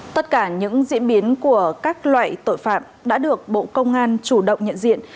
tất cả những diễn biến của các loại tội phạm đã được bộ công an chủ động nhận diện